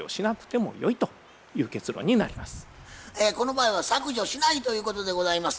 この場合は削除しないということでございます。